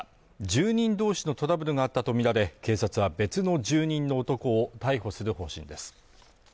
住人同士のトラブルがあったとみられ、警察は別の住人の男を逮捕する方針です。